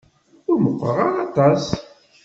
Ur meqqṛeɣ ara aṭas.